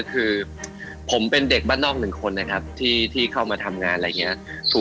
คือผมเป็นเด็กบ้านนอกหนึ่งคนนะครับที่เข้ามาทำงานอะไรอย่างนี้